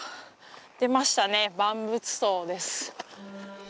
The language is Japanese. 出ましたね万物相です。